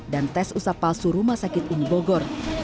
dan tes usap palsu rumah sakit umi bogor